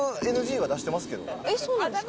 そうなんですか？